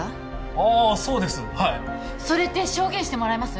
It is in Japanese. ああそうですはいそれって証言してもらえます？